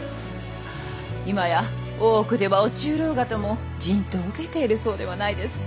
今や大奥では御中臈方も人痘を受けているそうではないですか。